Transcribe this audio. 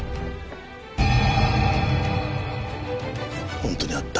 本当にあった。